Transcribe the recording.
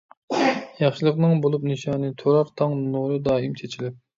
ياخشىلىقنىڭ بولۇپ نىشانى، تۇرار تاڭ نۇرى دائىم چېچىلىپ.